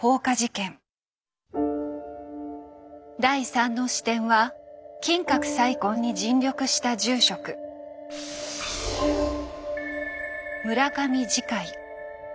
第３の視点は金閣再建に尽力した住職村上慈海。